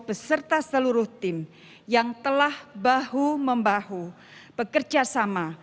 beserta seluruh tim yang telah bahu membahu bekerjasama